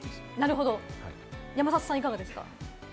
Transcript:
山里さん、いかがですか？